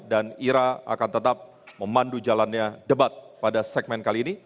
dan ira akan tetap memandu jalannya debat pada segmen kali ini